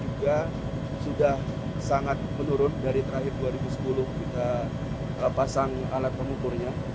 juga sudah sangat menurun dari terakhir dua ribu sepuluh kita pasang alat pengukurnya